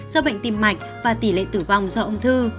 do bệnh tim mạch và tỷ lệ tử vong do ung thư